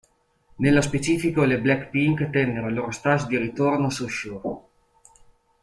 Nello specifico, le Blackpink tennero il loro stage di ritorno su "Show!